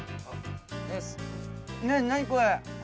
何これ！